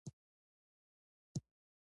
که د ایټالویانو مرګ ژوبله همداسې روانه وي.